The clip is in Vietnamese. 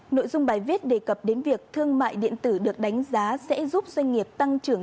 nội dung bài viết đề cập đến việc thương mại điện tử được đánh giá sẽ giúp doanh nghiệp tăng trưởng